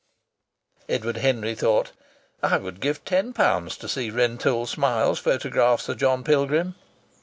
Edward Henry thought: "I would give ten pounds to see Rentoul Smiles photograph Sir John Pilgrim."